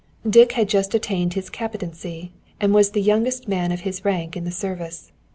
Dick had just attained his captaincy, and was the youngest man of his rank in the service.